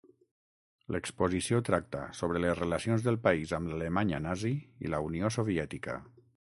L'exposició tracta sobre les relacions del país amb l'Alemanya nazi i la Unió Soviètica.